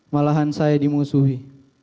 malahan saya dimusuhi